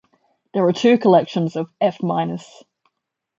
There are two collections of "F Minus".